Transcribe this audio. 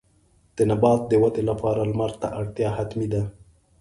د نبات د ودې لپاره لمر ته اړتیا حتمي ده.